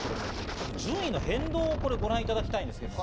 順位の変動をご覧いただきましょう。